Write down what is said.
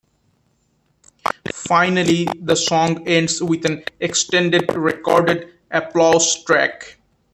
Finally, the song ends with an extended, recorded applause track.